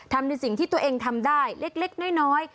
ในสิ่งที่ตัวเองทำได้เล็กน้อย